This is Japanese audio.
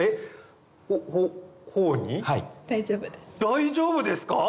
大丈夫ですか？